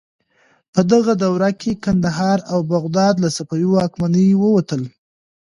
په دغه دوره کې کندهار او بغداد له صفوي واکمنۍ ووتل.